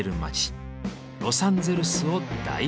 ロサンゼルスを大冒険！